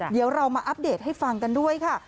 เดี๋ยวเรามาอัปเดตให้ฟังกันด้วยค่ะ